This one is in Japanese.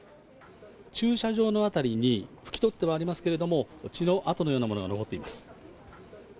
駐車場の辺りに、拭き取ってはありますけれども、血の跡のようなものが残っています。